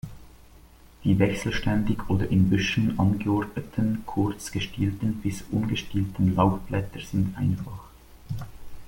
Die wechselständig oder in Büscheln angeordneten, kurz gestielten bis ungestielten Laubblätter sind einfach.